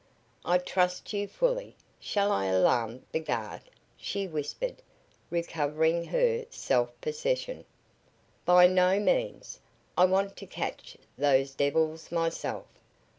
"I trust you fully. Shall I alarm the guard?" she whispered, recovering her self possession. "By no means. I want to catch those devils myself.